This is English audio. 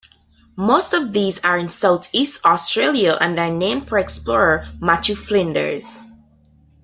Most of these are in south-east Australia and are named for explorer Matthew Flinders.